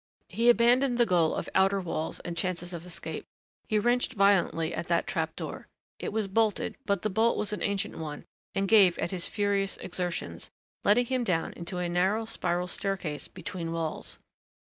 He abandoned the goal of outer walls and chances of escape. He wrenched violently at that trap door. It was bolted but the bolt was an ancient one and gave at his furious exertions, letting him down into a narrow spiral staircase between walls.